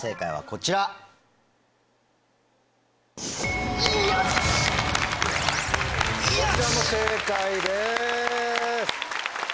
こちらも正解です。